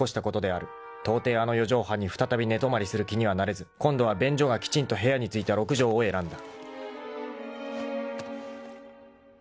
［とうていあの四畳半に再び寝泊まりする気にはなれず今度は便所がきちんと部屋についた六畳を選んだ］